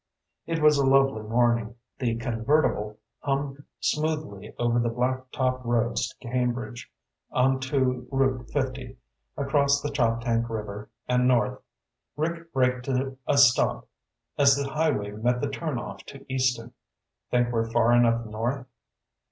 It was a lovely morning. The convertible hummed smoothly over the blacktop roads to Cambridge, onto Route 50, across the Choptank River and north. Rick braked to a stop as the highway met the turnoff to Easton. "Think we're far enough north?"